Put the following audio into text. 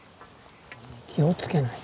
気をつけないと。